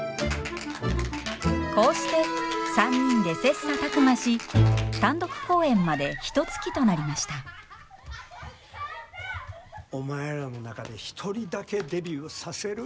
こうして３人で切磋琢磨し単独公演までひとつきとなりましたお前らの中で１人だけデビューさせる